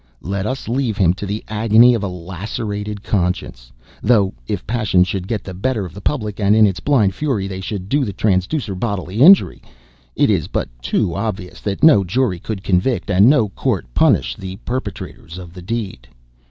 let us leave him to the agony of a lacerated conscience (though if passion should get the better of the public, and in its blind fury they should do the traducer bodily injury, it is but too obvious that no jury could convict and no court punish the perpetrators of the deed).